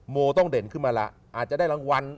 โมต้องเด่นขึ้นมาแล้วอาจจะได้รางวัล